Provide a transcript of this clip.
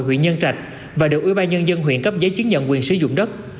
huyện nhân trạch và được ủy ban nhân dân huyện cấp giấy chứng nhận quyền sử dụng đất